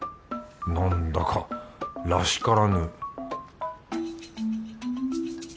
なんだからしからぬ